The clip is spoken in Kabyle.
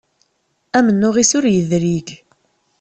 Amennuɣ-is ur yedrig.